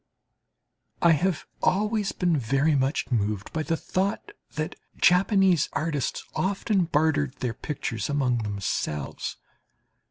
I have always been very much moved by the thought that Japanese artists often bartered their pictures among themselves.